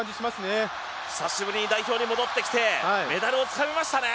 久しぶりに代表に戻ってきてメダルをつかみましたね。